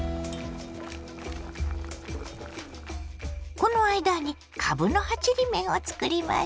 この間にかぶの葉ちりめんをつくりましょ。